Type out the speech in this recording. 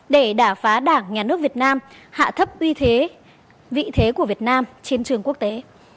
để đả phá đảng nhà nước việt nam hạ thấp vị thế của việt nam trên trường quốc tế